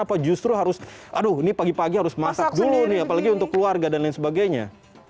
apa justru harus aduh ini pagi pagi harus masak dulu nih apalagi untuk keluarga dan lain sebagainya